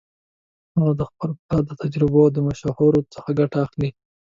هغه د خپل پلار د تجربو او مشورو څخه ګټه اخلي